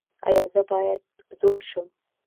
ایا زه باید زوړ شم؟